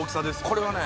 これはね